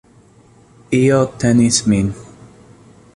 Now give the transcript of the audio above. Io tenis min.